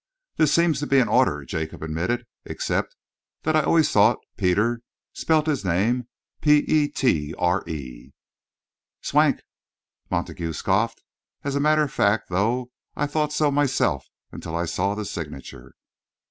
"That seems to be in order," Jacob admitted, "except that I always thought Peter spelt his name 'Petre.'" "Swank," Montague scoffed. "As a matter of fact, though, I thought so myself until I saw the signature."